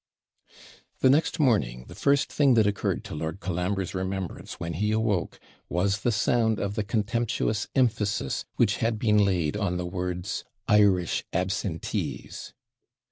The next morning the first thing that occurred to Lord Colambre's remembrance when he awoke was the sound of the contemptuous emphasis which had been laid on the words IRISH ABSENTEES!